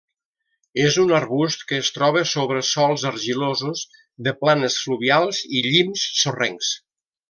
És un arbust que es troba sobre sòls argilosos de planes fluvials i llims sorrencs.